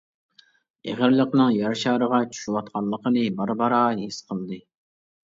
ئېغىرلىقىنىڭ يەر شارىغا چۈشۈۋاتقانلىقىنى بارا-بارا ھېس قىلدى.